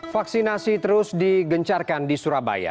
vaksinasi terus digencarkan di surabaya